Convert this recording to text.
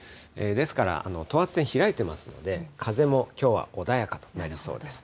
ですから、等圧線開いてますので、風もきょうは穏やかとなりそうです。